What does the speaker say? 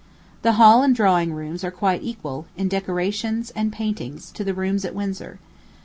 The hall and drawing rooms are quite equal, in decorations and paintings, to the rooms at Windsor.